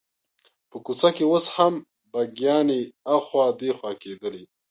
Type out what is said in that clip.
په کوڅه کې اوس هم بګیانې اخوا دیخوا کېدلې.